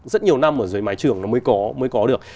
rất nhiều năm ở dưới mái trường nó mới có được